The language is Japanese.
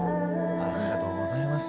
ありがとうございます。